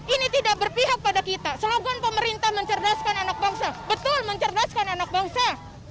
ini tidak berpihak pada kita slogan pemerintah mencerdaskan anak bangsa betul mencerdaskan anak bangsa